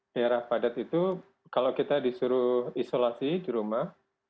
daerah padat itu kalau kita disuruh isolasi di rumah